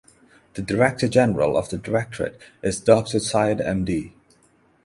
The Director General of the Directorate is Doctor Syed Md.